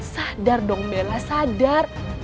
sadar dong bella sadar